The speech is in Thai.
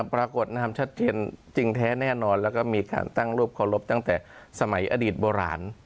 ปรากฏนามชัดเจนจริงแท้แน่นอนแล้วก็มีการตั้งรูปเคารพตั้งแต่สมัยอดีตโบราณ